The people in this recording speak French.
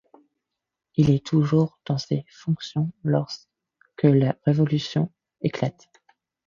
Il est toujours dans ses fonctions lorsque la Révolution éclate.